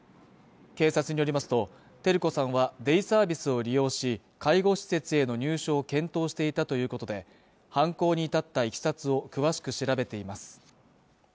警察によりますと照子さんはデイサービスを利用し介護施設への入所を検討していたということで犯行に至った経緯を詳しく調べています